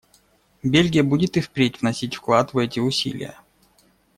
Бельгия будет и впредь вносить вклад в эти усилия.